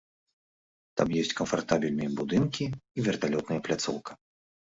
Там ёсць камфартабельныя будынкі і верталётная пляцоўка.